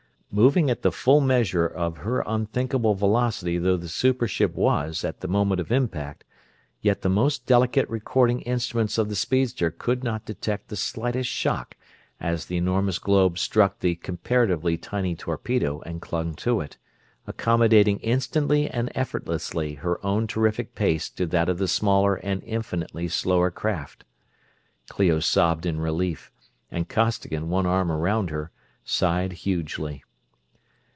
Moving at the full measure of her unthinkable velocity though the super ship was at the moment of impact, yet the most delicate recording instruments of the speedster could not detect the slightest shock as the enormous globe struck the comparatively tiny torpedo and clung to it; accommodating instantly and effortlessly her own terrific pace to that of the smaller and infinitely slower craft. Clio sobbed in relief and Costigan, one arm around her, sighed hugely.